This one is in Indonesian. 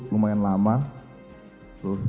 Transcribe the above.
lumayan lama terus